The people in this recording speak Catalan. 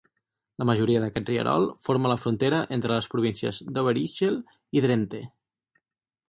La majoria d'aquest rierol forma la frontera entre les províncies d'Overijssel i Drenthe.